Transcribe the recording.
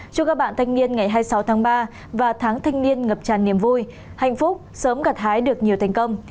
chúc các bạn thanh niên ngày hai mươi sáu tháng ba và tháng thanh niên ngập tràn niềm vui hạnh phúc sớm gặt hái được nhiều thành công